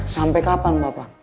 sampai kapan bapak